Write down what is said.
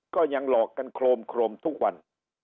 ก็ยังหลอกกันโครมโครมทุกวัน